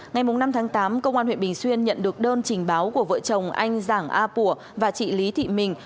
ngày năm tháng tám công an huyện bình xuyên nhận được đơn trình báo của vợ chồng anh giảng a pùa và chị lý thị mình